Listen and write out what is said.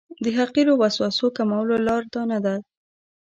د حقیرو وسوسو کمولو لاره دا نه ده.